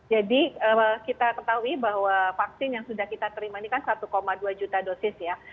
jadi kita ketahui bahwa vaksin yang sudah kita terima ini kan satu dua juta dosis ya